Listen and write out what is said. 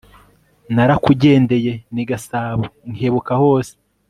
Narakugendeye ni Gasabo Nkebuka hose